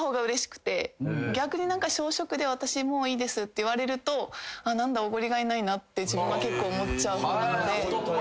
逆に小食で私もういいですって言われると何だおごりがいないなって自分は思っちゃう方なので。